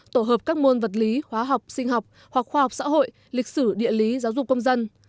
tổ hợp các môn vật lý hóa học sinh học hoặc khoa học xã hội lịch sử địa lý giáo dục công dân